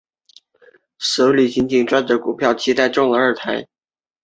硼烷衍生物双长叶烯基硼烷在有机合成中用作手性硼氢化试剂。